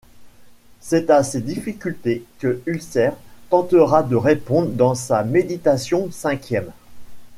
C'est à ces difficultés que Husserl tentera de répondre dans sa Méditation cinquième.